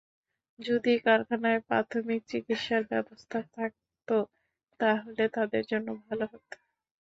যদি কারখানায় প্রাথমিক চিকিৎসার ব্যবস্থা থাকত তাহলে তাঁদের জন্য ভালো হতো।